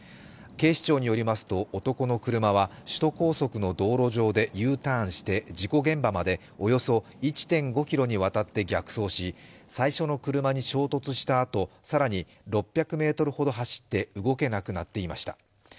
警視庁によりますと男の車は首都高速の道路上でＵターンして事故現場までおよそ１．５ｋｍにわたって逆走し最初の車に衝突したあと更に６００ｍほど走って動けなくなっていました。